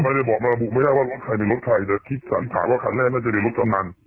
ก็ไม่ได้บอกมาระบุไม่ได้ว่ารถใครเป็นรถใครแต่ที่สั่งถามว่าคันแรกน่าจะเป็นรถตำนั้น